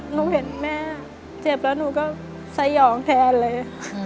หนูเห็นแม่เจ็บแล้วหนูก็สยองแทนเลย